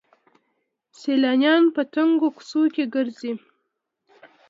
سیلانیان په تنګو کوڅو کې ګرځي.